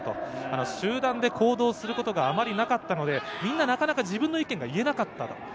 集団で行動することがあまりなかったので、なかなか自分の意見が言えなかった。